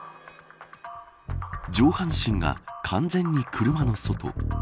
上半身が完全に車の外。